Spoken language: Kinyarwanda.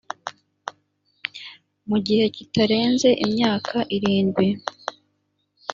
mu gihekitarenze imyaka irindwui